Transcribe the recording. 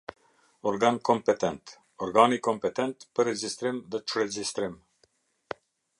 Organ kompetent - organi kompetent për regjistrim dhe çregjistrim.